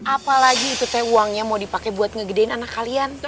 apalagi itu teh uangnya mau dipakai buat ngegedein anak kalian